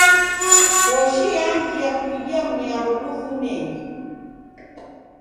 Koshi yangia kuidia mnyaro luvunenyi.